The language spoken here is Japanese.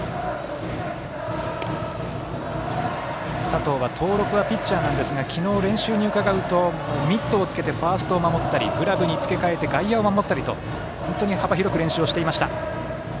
佐藤は登録はピッチャーなんですが昨日、練習にうかがうとミットをつけてファーストを守ったりグラブに付け替えて外野を守ったりと幅広く練習をしていました。